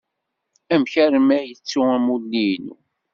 Amek armi ay tettu amulli-inu?